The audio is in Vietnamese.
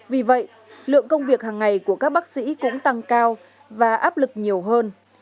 vì vậy lượng công việc hàng ngày của các bác sĩ cũng tăng cao và áp lực nhiều hơn